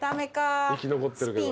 生き残ってるけど。